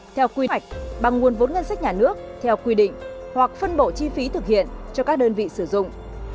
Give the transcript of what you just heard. theo quy hoạch bằng nguồn vốn ngân sách nhà nước theo quy định hoặc phân bổ chi phí thực hiện cho các đơn vị sử dụng